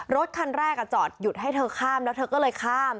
รถคันแรกจอดหยุดให้เธอข้ามแล้วเธอก็เลยข้าม